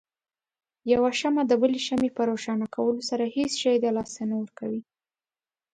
يوه شمعه دبلې شمعې په روښانه کولو سره هيڅ شی د لاسه نه ورکوي.